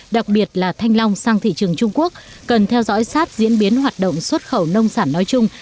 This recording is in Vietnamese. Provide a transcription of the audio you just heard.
đặc biệt là thanh long sang thị trường trung quốc cần theo dõi sát diễn biến hoạt động xuất khẩu nông sản nói chung